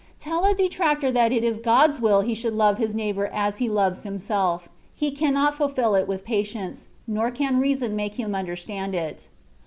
Tell a detractor that it is God's will he should love his neighbour as he loves himself, he cannot fulfil it with patience, nor can reason make him under stand it.